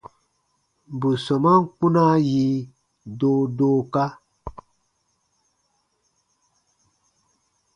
Bù sɔmaan kpunaa yi doodooka.